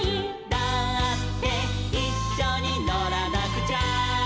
「だっていっしょにのらなくちゃ」